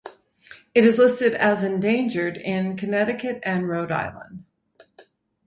It is listed as endangered in Connecticut and Rhode Island.